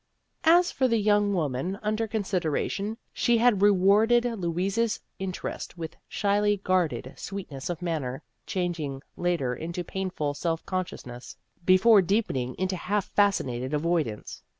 As for the young woman under consid eration, she had rewarded Louise's interest with shyly guarded sweetness of manner, changing later into painful self conscious ness, before deepening into half fascinated avoidance.